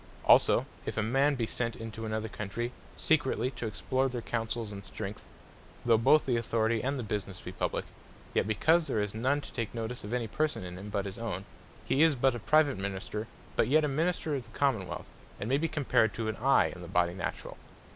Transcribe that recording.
Also if a man be sent into another Country, secretly to explore their counsels, and strength; though both the Authority, and the Businesse be Publique; yet because there is none to take notice of any Person in him, but his own; he is but a Private Minister; but yet a Minister of the Common wealth; and may be compared to an Eye in the Body naturall.